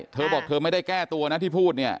เธอบอกเธอไม่ได้แก้ตัวนะที่พูดเนี่ย